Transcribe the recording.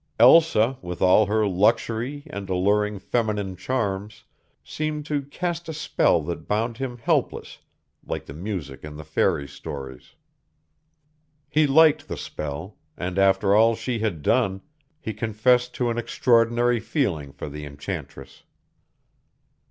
Elsa, with all her luxury and alluring feminine charms, seemed to cast a spell that bound him helpless like the music in the fairy stories. He liked the spell, and, after all she had done, he confessed to an extraordinary feeling for the enchantress.